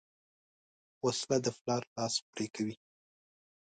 وسله د پلار لاس پرې کوي